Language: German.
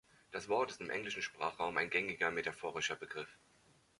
Das Wort ist im englischen Sprachraum ein gängiger metaphorischer Begriff.